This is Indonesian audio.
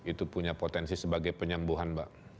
itu punya potensi sebagai penyembuhan mbak